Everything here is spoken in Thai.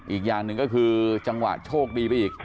อีกอย่างหนึ่งก็คือจังหวะโชคดีไปอีก